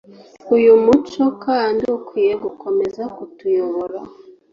uyu muco kandi ukwiye gukomeza kutuyobora